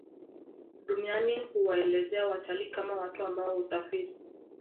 Duniani huwaelezea watalii kama watu ambao husafiri